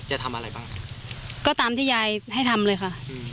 จะทำอะไรบ้างก็ตามที่ยายให้ทำเลยค่ะอืม